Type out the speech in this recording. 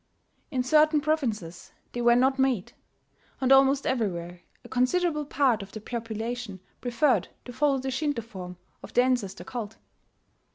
In certain provinces they were not made; and almost everywhere a considerable part of the population preferred to follow the Shinto form of the ancestor cult.